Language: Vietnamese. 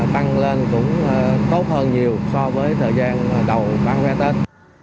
tăng lên cũng tốt hơn nhiều so với thời gian đầu mang vé tết